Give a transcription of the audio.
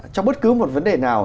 cho bất cứ một vấn đề nào